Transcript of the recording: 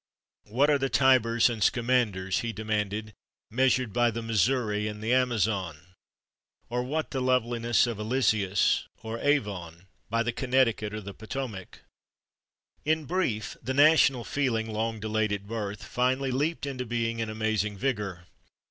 "What are the Tibers and Scamanders," he demanded, "measured by the Missouri and the Amazon? Or what the loveliness of Illysus or Avon by the Connecticut or the Potomack?" In brief, the national feeling, long delayed at birth, finally leaped into being in amazing vigor.